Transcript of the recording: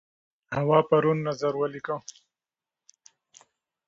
هوا پرون نظر ولیکه.